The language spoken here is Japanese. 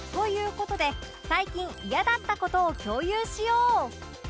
事で最近イヤだった事を共有しよう